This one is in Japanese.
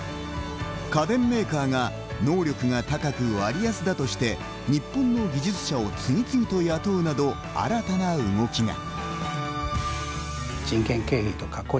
家電メーカーが能力が高く割安だとして日本の技術者を次々と雇うなど新たな動きが。